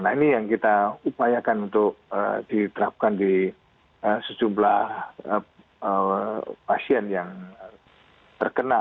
nah ini yang kita upayakan untuk diterapkan di sejumlah pasien yang terkena